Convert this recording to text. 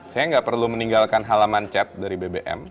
saya nggak perlu meninggalkan halaman cat dari bbm